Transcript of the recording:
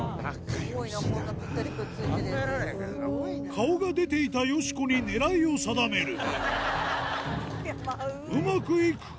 顔が出ていたよしこに狙いを定めるうまくいくか？